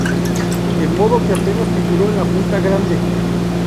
De modo que apenas figuró en la Junta Grande.